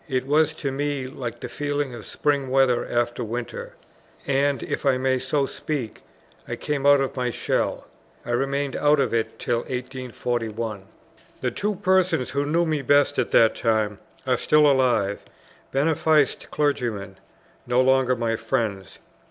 It was to me like the feeling of spring weather after winter; and, if I may so speak, I came out of my shell; I remained out of it till 1841. The two persons who knew me best at that time are still alive, beneficed clergymen, no longer my friends.